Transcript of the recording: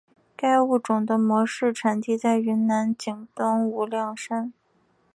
该物种的模式产地在云南景东无量山。